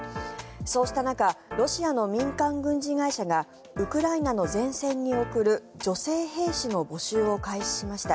そうした中ロシアの民間軍事会社がウクライナの前線に送る女性兵士の募集を開始しました。